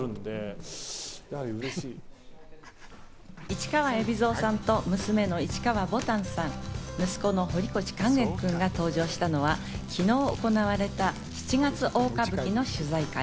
市川海老蔵さんと娘の市川ぼたんさん、息子の堀越勸玄くんが登場したのは、昨日行われた、７月大歌舞伎の取材会。